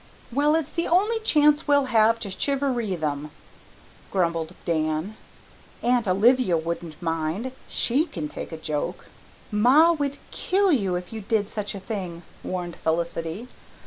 "Well, it's the only chance we'll have to chivaree them," grumbled Dan. "Aunt Olivia wouldn't mind. SHE can take a joke." "Ma would kill you if you did such a thing," warned Felicity.